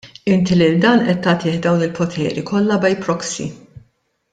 Inti lil dan qed tagħtih dawn il-poteri kollha by proxy.